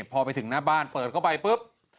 พอไปถึงหน้าบ้านเปิดเข้าไปปุ๊บ